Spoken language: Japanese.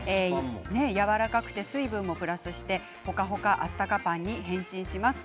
やわらかくて水分もプラスしてほかほか温かパンに変身します。